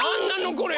これ。